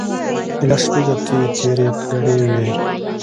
ایله شپږ هفتې یې تېرې کړې وې.